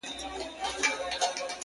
ټولنه لا هم زده کړه کوي,